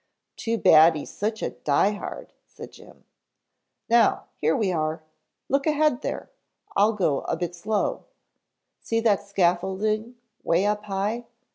"Too bad he's such a die hard," said Jim. "Now, here we are. Look ahead there, I'll go a bit slow. See that scaffolding way up high?"